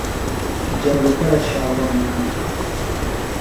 Jɛrigu pala shaawari maana.